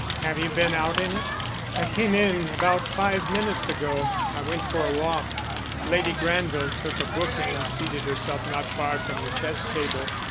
"Have you been out in it?" "I came in about five minutes ago. I went for a walk." Lady Granville took a book and seated herself not far from the chess table.